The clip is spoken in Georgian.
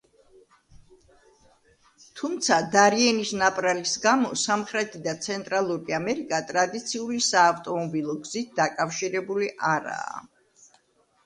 თუმცა, დარიენის ნაპრალის გამო, სამხრეთი და ცენტრალური ამერიკა ტრადიციული საავტომობილო გზით დაკავშირებული არაა.